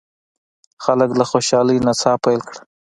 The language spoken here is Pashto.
خلکو له خوشالۍ نڅا پیل کړه.